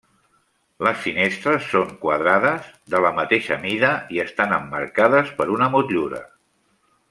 Les finestres són quadrades, de la mateixa mida i estan emmarcades per una motllura.